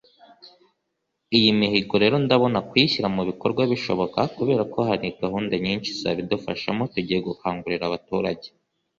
Iyi mihigo rero ndabona kuyishyira mu bikorwa bishoboka kubera ko hari gahunda nyinshi zabidufashamo tugiye gukangurira abaturage